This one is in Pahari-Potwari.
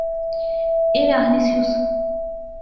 ایویں آخنی سیوس